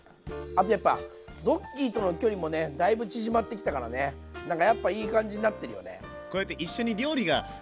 あとやっぱドッキーとの距離もねだいぶ縮まってきたからねなんかやっぱいい感じになってるよね。